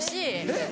えっ？